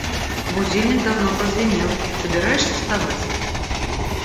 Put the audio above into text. Будильник давно прозвенел, собираешься вставать?